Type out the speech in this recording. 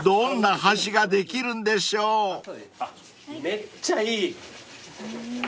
めっちゃいい。